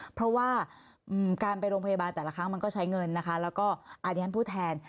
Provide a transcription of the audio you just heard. เพราะว่าการไปโรงพยาบาลแต่ละครั้งมันก็ใช้เงินนะคะแล้วก็อันนี้ฉันพูดแทน